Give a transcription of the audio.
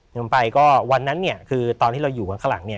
ลงไปก็วันนั้นเนี่ยคือตอนที่เราอยู่ข้างหลังเนี่ย